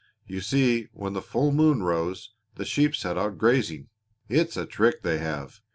You see when the full moon rose the sheep set out grazing. It's a trick they have.